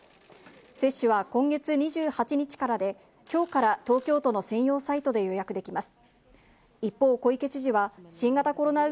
接種は今月２８日からで、きょうから東京都の専用サイトで予約できます。